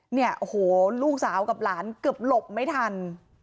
เนี่ยโอ้โหลูกสาวกับหลานเกือบหลบไม่ทัน